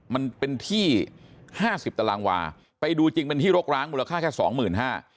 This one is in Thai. มันเป็นที่๕๐ตารางวาไปดูจริงเป็นที่โรคร้างมูลค่าแค่๒๕๐๐๐